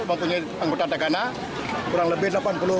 mempunyai anggota tagana kurang lebih